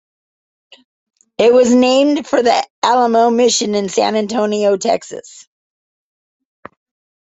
It was named for the Alamo Mission in San Antonio, Texas.